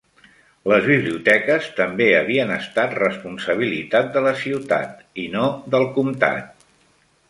Les biblioteques també havien estat responsabilitat de la ciutat i no del comtat.